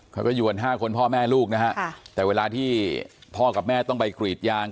เขาก็อยู่กัน๕คนพ่อแม่ลูกนะฮะแต่เวลาที่พ่อกับแม่ต้องไปกรีดยาง